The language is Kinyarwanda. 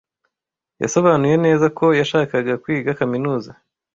Yasobanuye neza ko yashakaga kwiga kaminuza.